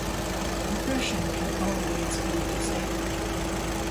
Compression can always be disabled.